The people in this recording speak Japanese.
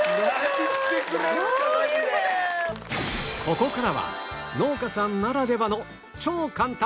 ここからは農家さんならではの超簡単！